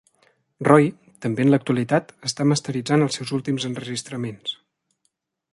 Roy també en l'actualitat està masteritzant els seus últims enregistraments.